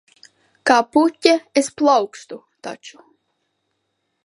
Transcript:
Kā puķe es plaukstu taču.